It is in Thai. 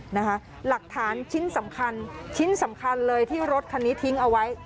หลักฐานชิ้นสำคัญชิ้นสำคัญเลยที่รถคันนี้ทิ้งเอาไว้